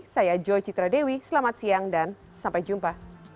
saya joy citradewi selamat siang dan sampai jumpa